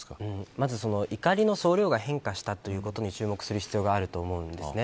まず、怒りの総量が変化したということに注目する必要があると思うんですね。